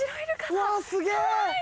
うわすげぇ！